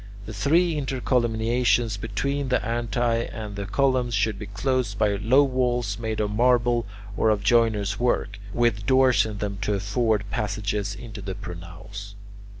The three intercolumniations between the antae and the columns should be closed by low walls made of marble or of joiner's work, with doors in them to afford passages into the pronaos.